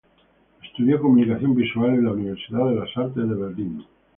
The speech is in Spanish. Estudió comunicación visual en la Universidad de las Artes de Berlín.